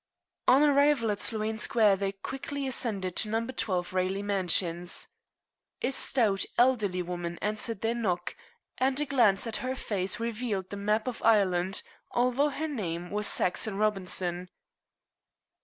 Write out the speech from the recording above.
On arrival at Sloane Square they quickly ascended to No. 12 Raleigh Mansions. A stout, elderly woman answered their knock, and a glance at her face revealed the map of Ireland, although her name was Saxon Robinson.